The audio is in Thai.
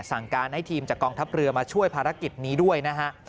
สั่งการให้ทีมจากกองทัพเรือมาช่วยภารกิจนี้ด้วยนะฮะ